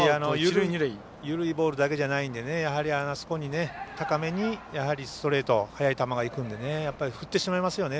緩いボールだけじゃないのであそこに高めにストレート速い球がいくので振ってしまいますよね。